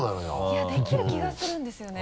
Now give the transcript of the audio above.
いやできる気がするんですよね。